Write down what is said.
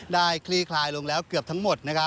คลี่คลายลงแล้วเกือบทั้งหมด